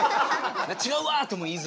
「ちがうわ！」とも言いづらい。